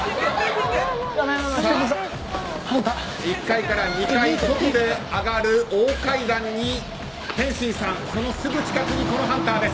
１階から２階外へ上がる大階段に天心さんそのすぐ近くにハンターです。